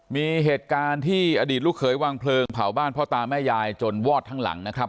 มีเหตุการณ์ที่อดีตลูกเขยวางเพลิงเผาบ้านพ่อตาแม่ยายจนวอดทั้งหลังนะครับ